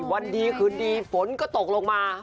วันดีคืนดีฝนก็ตกลงมา